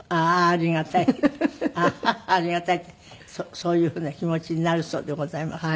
そういうふうな気持ちになるそうでございますよ。